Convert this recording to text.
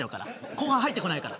後半、入ってこないから。